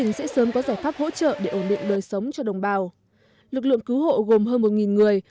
người sống cho đồng bào lực lượng cứu hộ gồm hơn một người